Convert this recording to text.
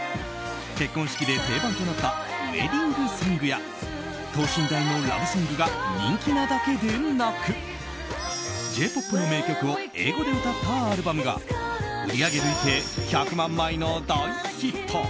結婚式で定番となったウェディングソングや等身大のラブソングが人気なだけでなくＪ‐ＰＯＰの名曲を英語で歌ったアルバムが売上累計１００万枚の大ヒット。